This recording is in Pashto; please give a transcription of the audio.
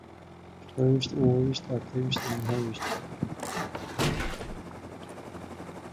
شپږ ويشت، اووه ويشت، اته ويشت، نهه ويشت